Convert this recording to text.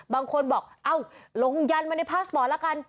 บางคนบอกเอ้าลงยันมาในพาสปอร์ตละกัน